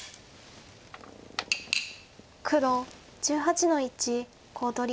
黒１８の一コウ取り。